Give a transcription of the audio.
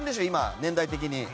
年代的に。